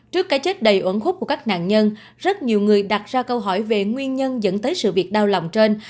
trước cái chết đầy ổn khúc của các nạn nhân rất nhiều người đặt ra câu hỏi về nguyên nhân dẫn tới sự việc đau lòng trên